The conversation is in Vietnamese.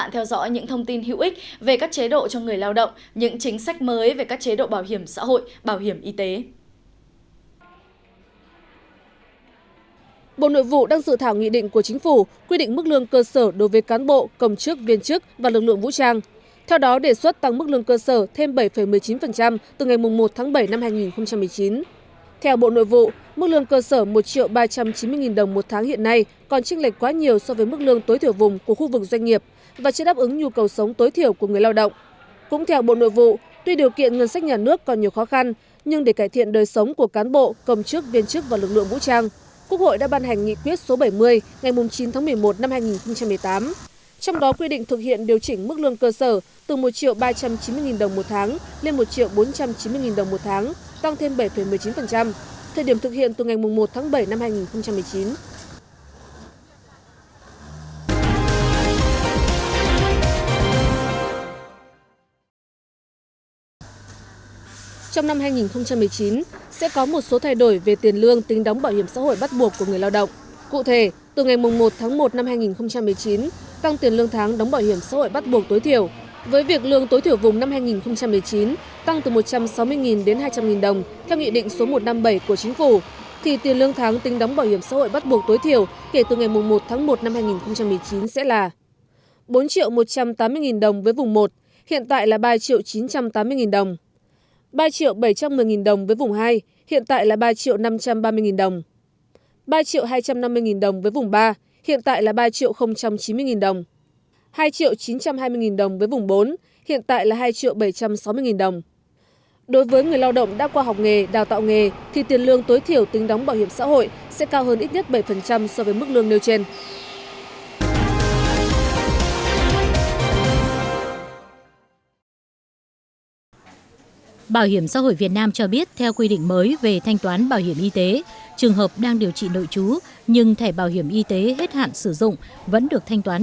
thông tin vừa rồi đã kết thúc chương trình lao động và xã hội tuần này của truyền hình nhân dân